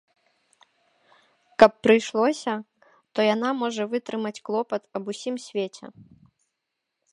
Каб прыйшлося, то яна можа вытрымаць клопат аб усім свеце.